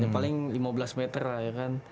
ya paling lima belas meter lah ya kan